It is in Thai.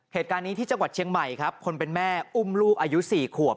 เหตุการณ์นี้ที่จังหวัดเชียงใหม่ครับคนเป็นแม่อุ้มลูกอายุ๔ขวบ